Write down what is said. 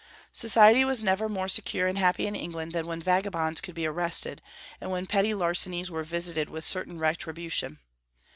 Society was never more secure and happy in England than when vagabonds could be arrested, and when petty larcenies were visited with certain retribution.